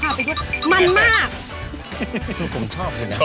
หนูผมชอบ